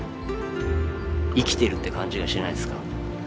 生きてるって感じがしないっすか？